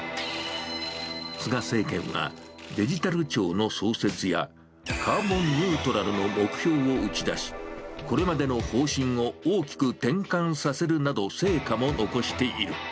菅政権はデジタル庁の創設や、カーボンニュートラルの目標を打ち出し、これまでの方針を大きく転換させるなど、成果も残している。